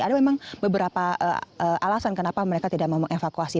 ada memang beberapa alasan kenapa mereka tidak mau mengevakuasi